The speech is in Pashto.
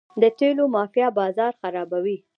د تیلو مافیا بازار خرابوي.